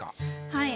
はい。